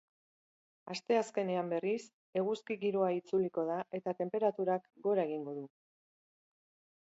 Asteazkenean, berriz, eguzki giroa itzuliko da eta tenperaturak gora egingo du.